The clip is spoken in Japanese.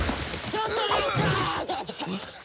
ちょっと待ったー！